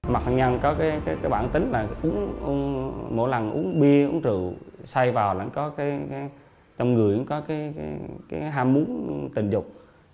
mạc văn nhân có bản tính là mỗi lần uống bia uống rượu say vào là trong người cũng có ham muốn tình dục